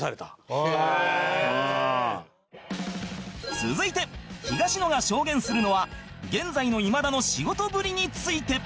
続いて東野が証言するのは現在の今田の仕事ぶりについて